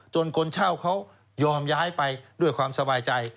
คนเช่าเขายอมย้ายไปด้วยความสบายใจ